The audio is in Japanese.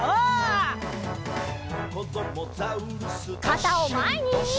かたをまえに！